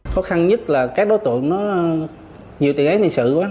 khó khăn nhất là các đối tượng nó nhiều tiền án tiền sự quá